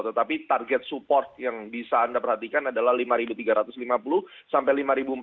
tetapi target support yang bisa anda perhatikan adalah lima tiga ratus lima puluh sampai lima empat ratus